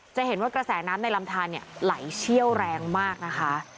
จะเห็นว่ากระแสน้ำในลำทานไหลเชี่ยวแรงมากนะคะ